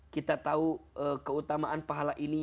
kita tahu keutamaan pahala ini